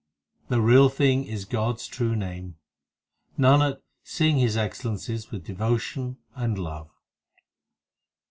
The real thing is God s true name Nanak, sing His excellences with devotion and love.